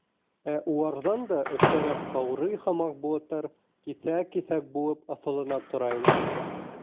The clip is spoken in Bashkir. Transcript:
Ә уларҙан да өҫтәрәк ҡаурый һымаҡ болоттар киҫәк-киҫәк булып аҫылынып тора ине.